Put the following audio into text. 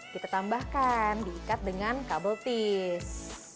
kita tambahkan diikat dengan kabel tis